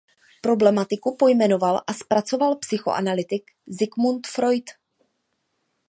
Problematiku pojmenoval a zpracoval psychoanalytik Sigmund Freud.